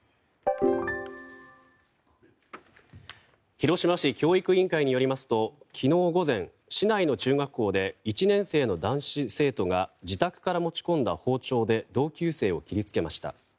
広島市教育委員会によりますと昨日午前、市内の中学校で１年生の男子生徒が自宅から持ち込んだ包丁で同級生を切りつけました。